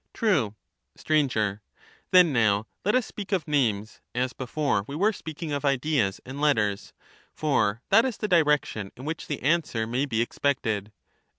TheaeL True. Sir, Then, now, let us speak of names, as before we were speaking of ideas and letters; for that is the direction in which the answer may be expected.